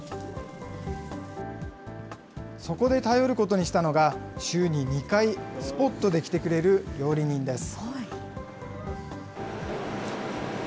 そこで頼ることにしたのが、週に２回、スポットで来てくれる料理人です。